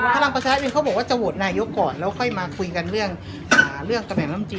พลังประชารัฐเขาบอกว่าจะโหวตนายกก่อนแล้วค่อยมาคุยกันเรื่องตะแหน่งลำจีน